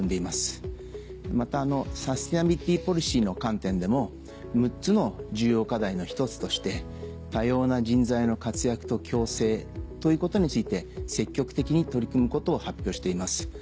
またサステナビリティポリシーの観点でも６つの重要課題の１つとして「多様な人材の活躍と共生」ということについて積極的に取り組むことを発表しています。